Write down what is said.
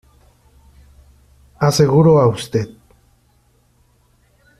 Aseguro a Ud.